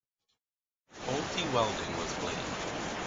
Faulty welding was blamed.